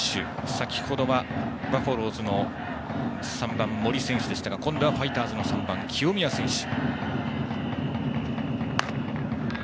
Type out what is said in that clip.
先ほどはバファローズの３番森選手でしたが今度はファイターズの３番、清宮選手。